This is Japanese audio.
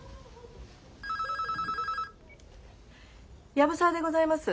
☎藪沢でございます。